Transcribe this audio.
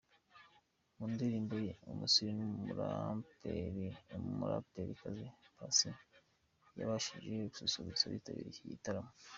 Mu ndirimbo ye "Umusirimu", umuraperikazi Paccy yabashije gususurutsa abitabiriye iki gitaramo.